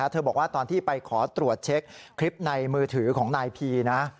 บอกว่าตอนที่ไปขอตรวจเช็คคลิปในมือถือของนายพีนะ